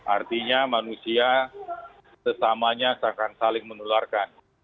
artinya manusia sesamanya akan saling menularkan